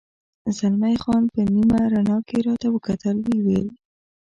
زلمی خان په نیمه رڼا کې راته وکتل، ویې ویل.